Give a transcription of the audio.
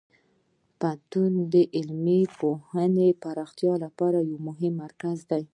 پوهنتون د علمي پوهې پراختیا لپاره یو مهم مرکز دی.